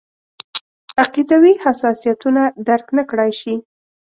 عقیدوي حساسیتونه درک نکړای شي.